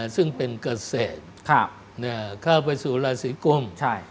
ซึ่งเป็นเกษตรเข้าไปสู่ราศีกุม